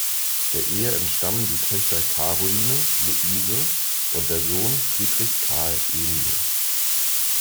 Der Ehe entstammen die Töchter Caroline, Luise und der Sohn Friedrich Carl Emil.